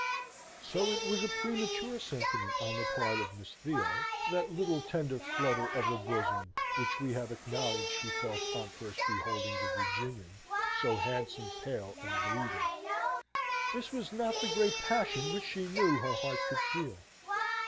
So it was a premature sentiment on the part of Miss Theo that little tender flutter of the bosom which we have acknowledged she felt on first beholding the Virginian, so handsome, pale, and bleeding. This was not the great passion which she knew her heart could feel.